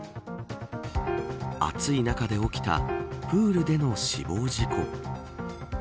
暑い中で起きたプールでの死亡事故。